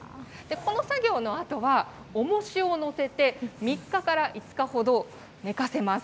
この作業のあとは、重しを乗せて、３日から５日ほど寝かせます。